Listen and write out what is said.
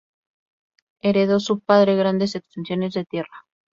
Heredó de su padre grandes extensiones de tierra.